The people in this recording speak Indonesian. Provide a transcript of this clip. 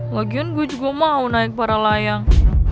lagian gue juga mau naik para layang